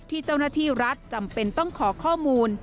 ที่เจ้าหน้าที่รัฐจำเป็นต้องขอข้อมูล